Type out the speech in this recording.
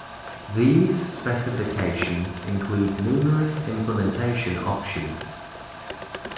These specifications include numerous implementation options.